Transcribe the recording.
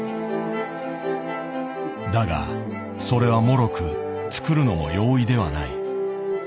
だがそれはもろく作るのも容易ではない。